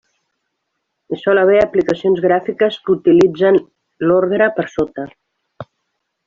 Hi sol haver aplicacions gràfiques que utilitzen l'ordre per sota.